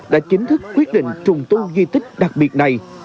đã chính thức quyết định trùng tu di tích đặc biệt này